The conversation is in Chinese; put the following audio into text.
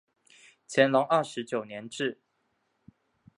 乾隆二十九年置。